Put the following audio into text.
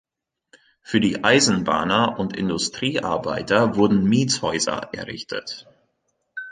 Für die Eisenbahner und Industriearbeiter wurden Mietshäuser errichtet.